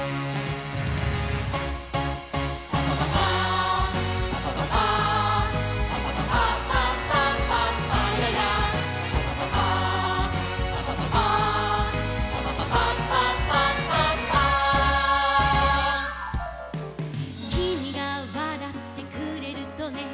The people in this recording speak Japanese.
「パパパパーンパパパパーン」「パパパパパパパパヤヤー」「パパパパーンパパパパーン」「パパパパパパパパーン」「きみが笑ってくれるとね」